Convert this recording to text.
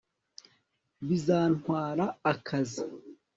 bizantwara akazi